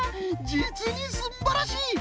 じつにすんばらしい！